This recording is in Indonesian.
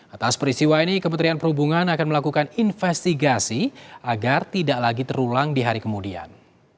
atas peristiwa ini kementerian perhubungan akan melakukan investigasi agar tidak lagi terulang di hari kemudian